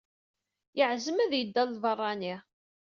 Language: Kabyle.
Yeɛzem ad yeddu ɣer lbeṛṛani.